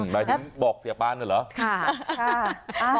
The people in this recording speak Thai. หรือบอกเสียปานด้วยเหรอ